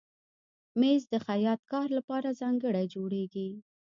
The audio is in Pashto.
مېز د خیاط کار لپاره ځانګړی جوړېږي.